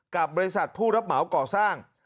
กับบริษัทผู้รับเหมาก่อสร้าง